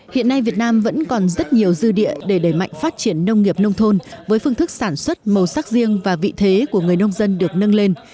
hiện nay việt nam vẫn còn rất nhiều dư địa để đẩy mạnh phát triển nông nghiệp nông thôn với phương thức sản xuất màu sắc riêng và vị thế của người nông dân được nâng lên